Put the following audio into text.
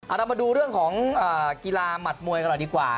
เอาล่ะมาดูเรื่องของกีฬามัดมวยกันดีกว่า